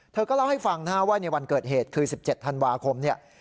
เธอก็เล่าให้ฟังนะฮะว่าในวันเกิดเหตุคือ๑๗ธันวาคมเนี่ย